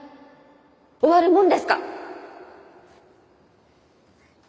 終わるもんですか！